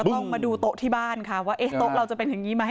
ต้องมาดูโต๊ะที่บ้านค่ะว่าโต๊ะเราจะเป็นอย่างนี้ไหม